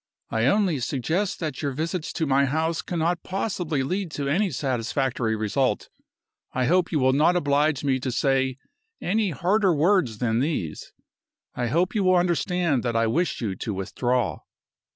"I only suggest that your visits to my house cannot possibly lead to any satisfactory result. I hope you will not oblige me to say any harder words than these I hope you will understand that I wish you to withdraw."